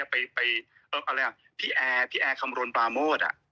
พี่แอขมรลปาโมส